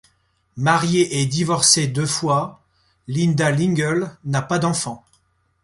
Mariée et divorcée deux fois, Linda Lingle n'a pas d'enfant.